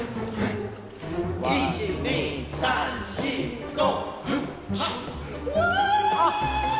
１・２・３・４・５。